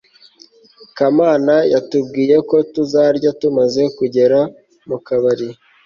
kamana yatubwiye ko tuzarya tumaze kugera mu kabari